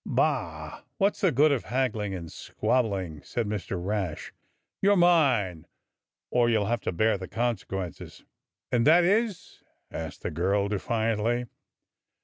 "Bah! what's the good of hagghng and squabbling?" said Mr. Rash. "You're mine, or you'll have to bear the consequences." "And that is.^" asked the girl defiantly.